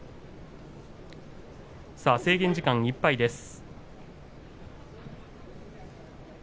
制限時間いっぱいです。